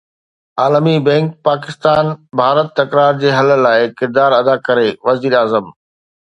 عالمي بئنڪ پاڪستان-ڀارت تڪرار جي حل لاءِ ڪردار ادا ڪري: وزيراعظم